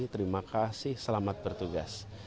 terima kasih selamat bertugas